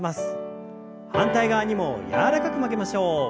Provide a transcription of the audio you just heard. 反対側にも柔らかく曲げましょう。